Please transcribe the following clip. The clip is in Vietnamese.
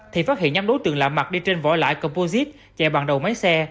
thì phát hiện nhắm đối tượng lạ mặt đi trên vỏ lại composite chạy bằng đầu máy xe